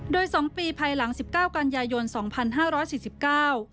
โดยสองปีภายหลังสิบเก้ากันยายนสองพันห้าร้อยสี่สิบเก้า